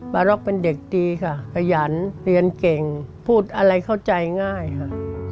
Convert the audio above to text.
ร็อกเป็นเด็กดีค่ะขยันเรียนเก่งพูดอะไรเข้าใจง่ายค่ะ